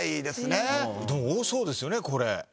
でも多そうですよねこれ。